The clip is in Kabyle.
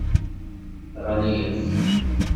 Ɣliɣ